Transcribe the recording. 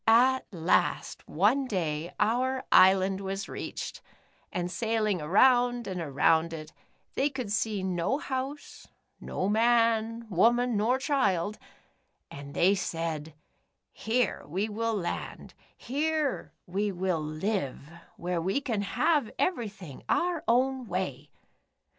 At last, one day our island was reached, and sailing around and around it, they could see no house, no man, wo man, nor child, and they said :' Here we will land, here we will live, where we can have everything our own way.'